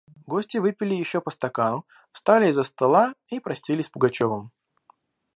Гости выпили еще по стакану, встали из-за стола и простились с Пугачевым.